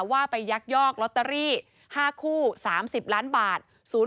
ว่าไปยักยอกลอตเตอรี่๕คู่๓๐ล้านบาท